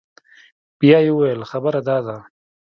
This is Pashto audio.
بيا يې وويل خبره دا ده.